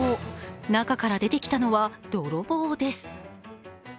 中から出てきたのは泥棒です。